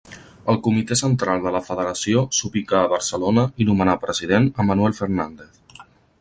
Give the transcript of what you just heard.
El Comitè central de la Federació s'ubicà a Barcelona i nomenà president a Manuel Fernández.